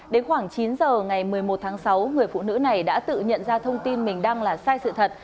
đến khoảng chín giờ ngày một mươi một tháng sáu người phụ nữ này đã tự nhận ra thông tin mình đang là sai sự thật